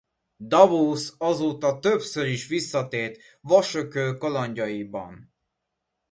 Davos azóta többször is visszatért Vasököl kalandjaiban.